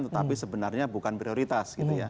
tetapi sebenarnya bukan prioritas